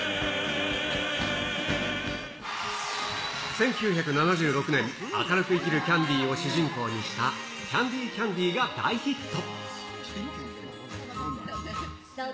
１９７６年、明るく生きるキャンディを主人公にしたキャンディ・キャンディが大ヒット。